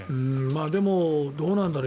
でもどうなんだろう